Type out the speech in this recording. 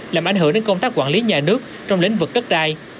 làm ảnh hưởng đến công tác quản lý nhà nước trong lĩnh vực đất đai